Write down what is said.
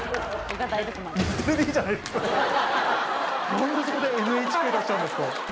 何でそこでＮＨＫ出しちゃうんですか？